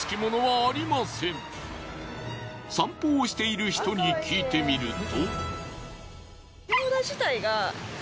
散歩をしている人に聞いてみると。